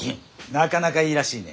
なかなかいいらしいね。